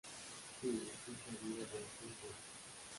Sí, así es la vida de Arthur Dent.